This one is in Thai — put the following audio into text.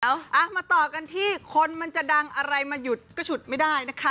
เอามาต่อกันที่คนมันจะดังอะไรมาหยุดก็ฉุดไม่ได้นะคะ